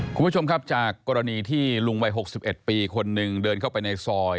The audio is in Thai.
คุณผู้ชมครับจากกรณีที่ลุงวัย๖๑ปีคนหนึ่งเดินเข้าไปในซอย